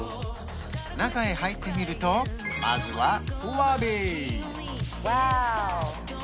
中へ入ってみるとまずはロビーワオ！